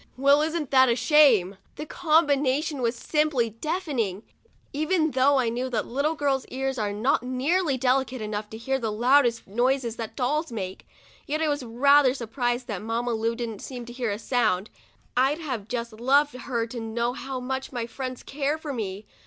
Well, isn't that a shame!' The combination was simply deafening, even though I knew that little girls' ears are not nearly delicate enough to hear the loudest noises that dolls make ; yet I was rather surprised that Mamma Lu didn't seem to hear a sound. I'd have just loved her to know how much my friends care for me.